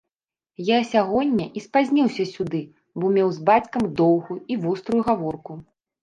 Я сягоння і спазніўся сюды, бо меў з бацькам доўгую і вострую гаворку.